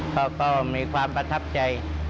เขาก็มีความประทับใจ